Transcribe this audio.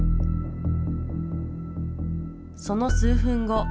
その数分後。